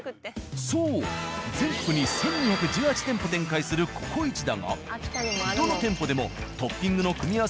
そう全国に１，２１８店舗展開する「ココイチ」だがどの店舗でもトッピングの組み合わせ